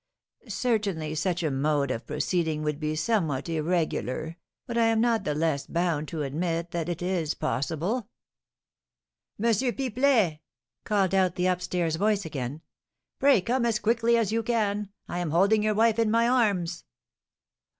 Certainly, such a mode of proceeding would be somewhat irregular, but I am not the less bound to admit that it is possible." "M. Pipelet!" called out the up stairs voice again. "Pray come as quickly as you can; I am holding your wife in my arms!"